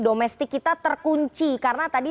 domestik kita terkunci karena tadi